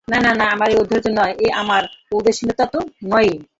না না, এ আমার ঔদার্য নয়, এ আমার ঔদাসীন্য তো নয়ই।